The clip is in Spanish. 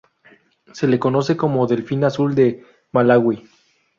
Se le conoce como delfín azul de Malawi.